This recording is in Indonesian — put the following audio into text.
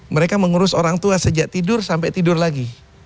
mereka mengurus orang tua sejak tidur sampai tidur lagi